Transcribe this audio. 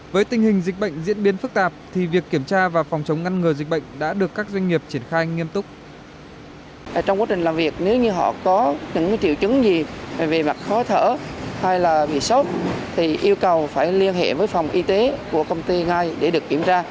với tình hình dịch bệnh diễn biến phức tạp thì việc kiểm tra và phòng chống ngăn ngừa dịch bệnh đã được các doanh nghiệp triển khai nghiêm túc